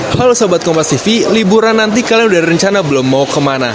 halo sobatkompastv liburan nanti kalian udah rencana belum mau kemana